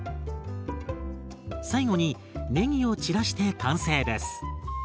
最後にねぎを散らして完成です。